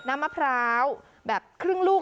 มะพร้าวแบบครึ่งลูก